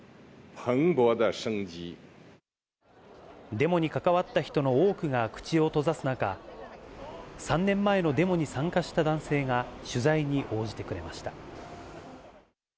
デモに関わった人の多くが口を閉ざす中、３年前のデモに参加した男性が取材に応じてくれました。